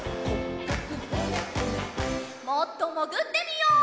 もっともぐってみよう。